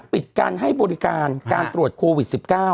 ปิดการให้บริการการตรวจโควิด๑๙